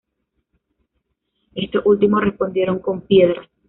Estos últimos respondieron con piedras.